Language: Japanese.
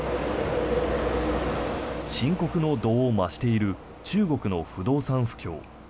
深刻の度を増している中国の不動産不況。